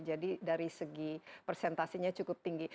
jadi dari segi persentasenya cukup tinggi